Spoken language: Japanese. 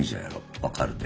分かるで。